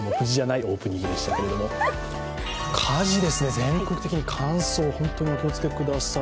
火事ですね、全国的に乾燥、本当にお気をつけください。